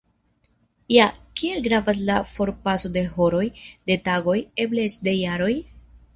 Ja, kiel gravas la forpaso de horoj, de tagoj, eble eĉ de jaroj?